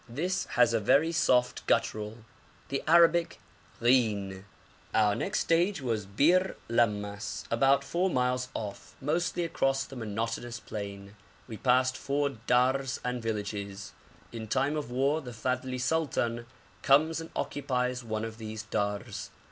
This has a very soft guttural the Arabic ghin. [Illustration: PLAIN OF MIS'HAL AND AÒDELI TRIBE] Our next stage was Bir Lammas, about four miles off, mostly across the monotonous plain. We passed four dars and villages. In time of war the Fadhli sultan comes and occupies one of these dars.